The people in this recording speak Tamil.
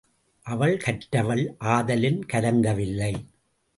அவள் கற்றவள் ஆதலின் கலங்கவில்லை.